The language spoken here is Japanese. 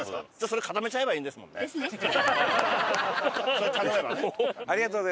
それ頼めばね。